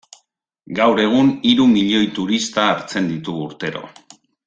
Gaur egun hiru milioi turista hartzen ditu urtero.